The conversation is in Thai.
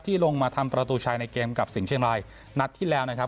ลงมาทำประตูชัยในเกมกับสิงห์เชียงรายนัดที่แล้วนะครับ